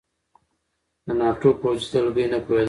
د ناټو پوځي دلګۍ نه پوهېده.